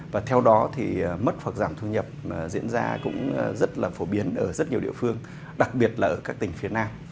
và theo đó thì mất hoặc giảm thu nhập diễn ra cũng rất là phổ biến ở rất nhiều địa phương đặc biệt là ở các tỉnh phía nam